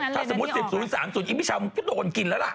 แต่ไม่มีเลขนั้นเลยถ้าถ้าสมมุติ๑๐๐๓๐อีกปีชาวโดนกินแล้วล่ะ